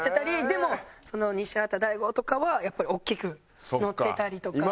でも西畑大吾とかはやっぱり大きく載ってたりとか。